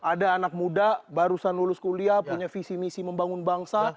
ada anak muda barusan lulus kuliah punya visi misi membangun bangsa